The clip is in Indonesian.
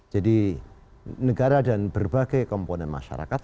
jadi negara dan berbagai komponen masyarakat